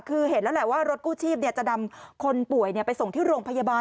คือเห็นแล้วแหละว่ารถกู้ชีพจะนำคนป่วยไปส่งที่โรงพยาบาล